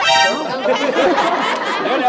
อย่าไปแก้